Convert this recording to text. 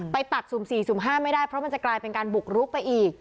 ไปตัดศูนย์สี่ศูนย์ห้าไม่ได้เพราะมันจะกลายเป็นการบุกรุกไปอีก